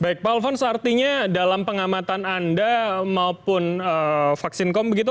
baik pak alfons artinya dalam pengamatan anda maupun vaksin com begitu